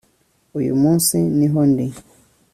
uyu munsi niho ndi